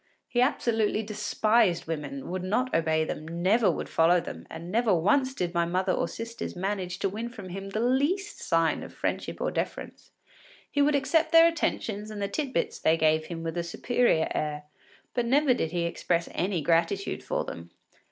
He absolutely despised women, would not obey them, never would follow them, and never once did my mother or my sisters manage to win from him the least sign of friendship or deference. He would accept their attentions and the tit bits they gave him with a superior air, but never did he express any gratitude for them.